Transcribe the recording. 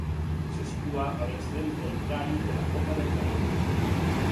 Se situa a l'extrem contrari de la boca del canó.